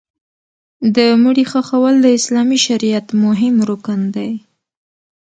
د مړي ښخول د اسلامي شریعت مهم رکن دی.